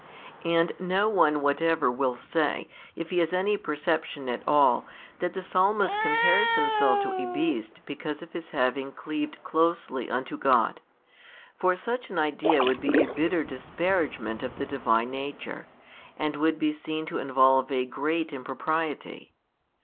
And no one whatever will say, if he has any perception at all, that the Psalmist compares himself to a beast because of his having cleaved closely unto God; for such an idea would be a bitter disparagement of the Divine nature, and would be seen to involve a great impropriety.